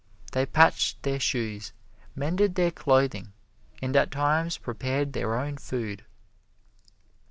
They patched their shoes, mended their clothing, and at times prepared their own food.